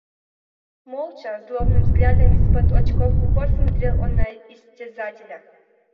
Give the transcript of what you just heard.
Молча, злобным взглядом из-под очков в упор смотрел он на истязателя.